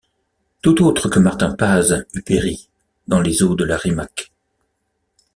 Tout autre que Martin Paz eût péri dans les eaux de la Rimac.